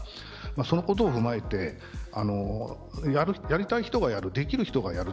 そのことを踏まえてやりたい人がやるできる人がやる。